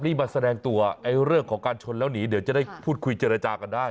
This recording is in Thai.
นี่มาแสดงตัวเรื่องของการชนแล้วหนีเดี๋ยวจะได้พูดคุยเจรจากันได้